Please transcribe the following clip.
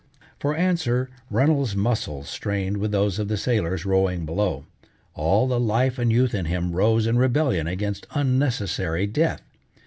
For answer Reynolds's muscles strained with those of the sailors rowing below: all the life and youth in him rose in rebellion against unnecessary death.